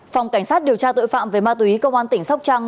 phòng cảnh sát điều tra tội phạm về ma túy công an tỉnh sóc trăng